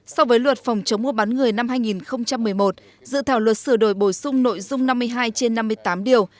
so với luật phòng chống mua bán người năm hai nghìn một mươi một dự thảo luật sửa đổi bổ sung nội dung năm mươi hai trên năm mươi tám điều